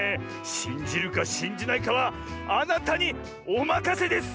しんじるかしんじないかはあなたにおまかせです！